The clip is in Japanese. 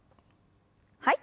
はい。